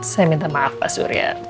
saya minta maaf pak surya